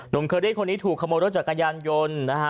เคอรี่คนนี้ถูกขโมยรถจักรยานยนต์นะฮะ